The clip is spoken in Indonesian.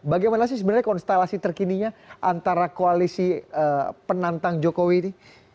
bagaimana sih sebenarnya konstelasi terkininya antara koalisi penantang jokowi ini